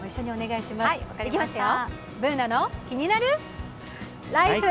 いきますよ、「ＢｏｏｎａのキニナルＬＩＦＥ」。